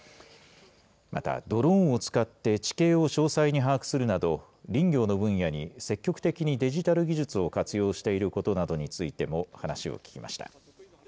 またドローンを使って地形を詳細に把握するなど、林業の分野に積極的にデジタル技術を活用していることなどについても、話を聞きました。